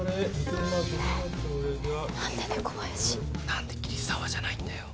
なんで桐沢じゃないんだよ。